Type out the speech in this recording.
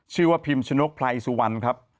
ชื่อว่าพิมพ์ชนกพลัยสุวรรณครับ